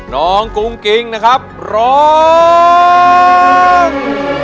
กุ้งกิ๊งนะครับร้อง